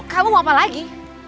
kamu mau apa lagi